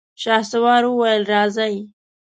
شهسوار وويل: راځئ!